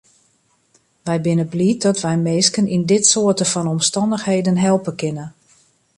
Wy binne bliid dat wy minsken yn dit soarte fan omstannichheden helpe kinne.